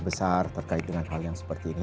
besar terkait dengan hal yang seperti ini